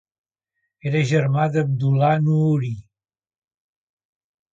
Era germà d'Abdollah Noori.